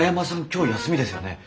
今日休みですよね？